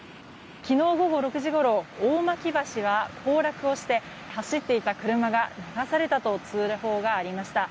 昨日午後６時ごろ大巻橋は崩落をして走っていた車が流されたと通報がありました。